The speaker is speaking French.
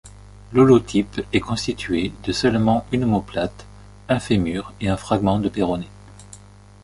L'holotype est constitué de seulement une omoplate, un fémur et d'un fragment de péroné.